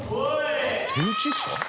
手打ちっすか？